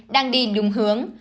đang đi đúng hướng